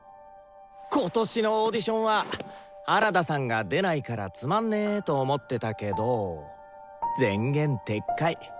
今年のオーディションは原田さんが出ないからつまんねと思ってたけど前言撤回。